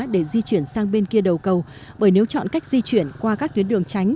để di chuyển sang bên kia đầu cầu bởi nếu chọn cách di chuyển qua các tuyến đường tránh